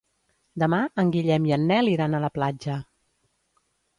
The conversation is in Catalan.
Demà en Guillem i en Nel iran a la platja.